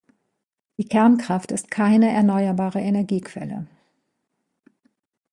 Die Kernkraft ist keine erneuerbare Energiequelle.